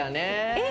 えっ。